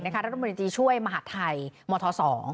รัฐบริจีช่วยมหาดไทยมศ๒